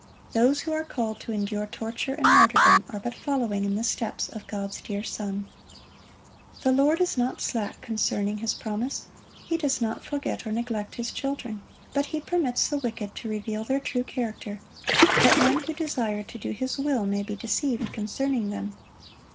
Those who are called to endure torture and martyrdom, are but following in the steps of God's dear Son. "The Lord is not slack concerning His promise."(67) He does not forget or neglect His children; but He permits the wicked to reveal their true character, that none who desire to do His will may be deceived concerning them.